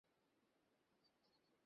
আল্লাহ্ বললেন, হ্যাঁ।